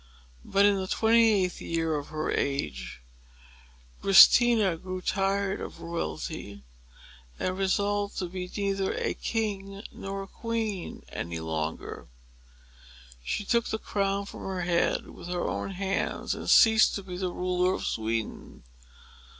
But in the twenty eighth year of her age, Christina grew tired of royalty, and resolved to be neither a king nor a queen any longer. She took the crown from her head, with her own hands, and ceased to be the ruler of Sweden.